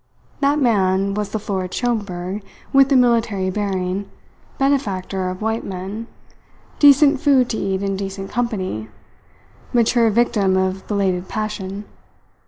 "That man" was the florid Schomberg with the military bearing, benefactor of white men ['decent food to eat in decent company') mature victim of belated passion.